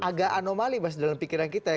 agak anomali mas dalam pikiran kita ya